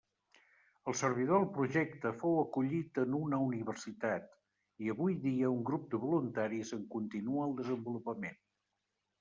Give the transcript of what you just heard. El servidor del projecte fou acollit en una universitat, i avui dia un grup de voluntaris en continua el desenvolupament.